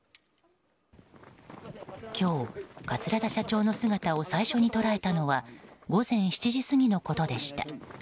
今日、桂田社長の姿を最初に捉えたのは午前７時過ぎのことでした。